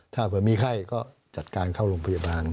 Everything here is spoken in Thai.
ถ้าเผื่อมีไข้ก็จัดการเข้าโรงพยาบาล